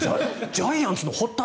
ジャイアンツの堀田？